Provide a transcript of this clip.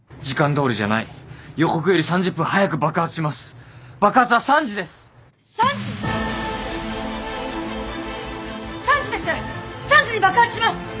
３時です！